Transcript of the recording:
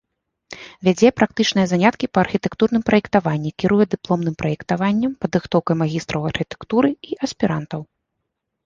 Вядзе практычныя заняткі па архітэктурным праектаванні, кіруе дыпломным праектаваннем, падрыхтоўкай магістраў архітэктуры і аспірантаў.